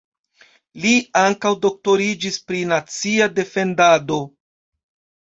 Li ankaŭ doktoriĝis pri nacia defendado.